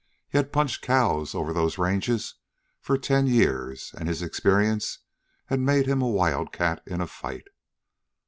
He had punched cows over those ranges for ten years, and his experience had made him a wildcat in a fight.